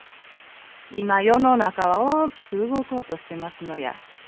今世の中は大きく動こうとしてますのや。